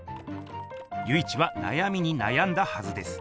由一はなやみになやんだはずです。